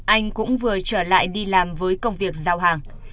anh cũng vừa trở lại đi làm với công việc giao hàng